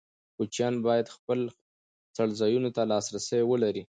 کوچیان باید خپل څړځایونو ته لاسرسی ولري.